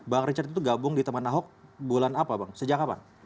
bang richard itu gabung di teman ahok bulan apa bang sejak kapan